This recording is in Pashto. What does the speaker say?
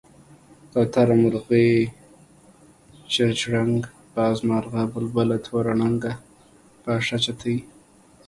کوتره، مرغۍ، چيرچيڼک، باز، مارغه ،بلبله، توره ڼکه، باښه، چتی،